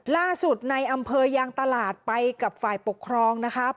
ล่าสุดในอำเภอยางตลาดไปกับฝ่ายปกครองนะครับ